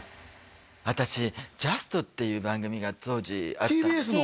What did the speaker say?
私「ジャスト」っていう番組が当時あったんですＴＢＳの？